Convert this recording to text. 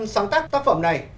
sáng tác tác phẩm này